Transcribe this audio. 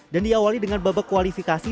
dan diawali dengan babak kualifikasi